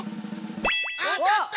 あたった！